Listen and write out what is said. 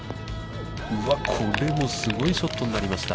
これもすごいショットになりました。